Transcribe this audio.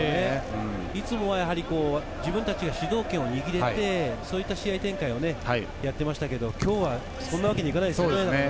いつもは自分たちが主導権を握ってそういった試合展開をやっていましたが、今日はそんなわけにはいかないですね。